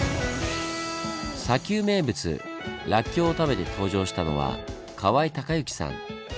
砂丘名物らっきょうを食べて登場したのは河合隆行さん。